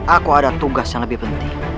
aku ada tugas yang lebih penting